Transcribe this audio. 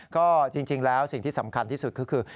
ก็จริงแล้วสิ่งที่สำคัญที่สุดก็คือ